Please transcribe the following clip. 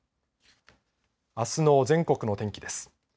あすの全国の天気です。